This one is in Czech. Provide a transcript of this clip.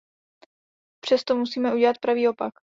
Přesto musíme udělat pravý opak.